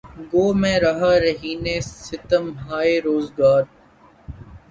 گو میں رہا رہینِ ستمہائے روزگار